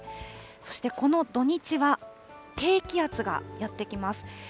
そしてこの土日は、低気圧がやって来ます。